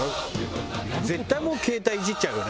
絶対もう携帯いじっちゃうよね。